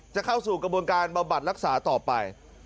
จะเข้าสู่กระบวนการบำบัดรักษาต่อไป